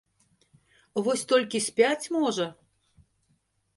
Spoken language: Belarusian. Вось толькі спяць, можа?